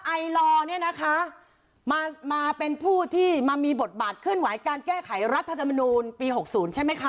ไอลอร์เนี่ยนะคะมาเป็นผู้ที่มามีบทบาทเคลื่อนไหวการแก้ไขรัฐธรรมนูลปี๖๐ใช่ไหมคะ